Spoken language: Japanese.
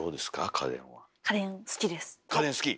家電好き？